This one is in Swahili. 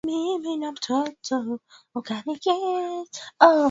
mkulima au mfanyabishara kwa kutumia viazi lishe anaweza tengeneza vyakula